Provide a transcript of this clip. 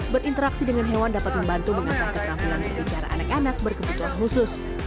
berinteraksi dengan hewan dapat membantu mengasah keterampilan berbicara anak anak berkebutuhan khusus